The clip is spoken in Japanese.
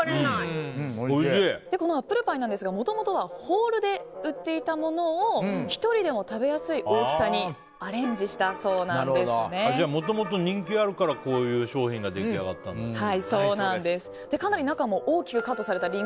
このアップルパイなんですがもともとはホールで売っていたものを１人でも食べやすい大きさにもともと人気があるからこういう商品が出来上がったんだ。